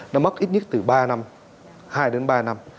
nó mất ít nhất từ ba năm hai đến ba năm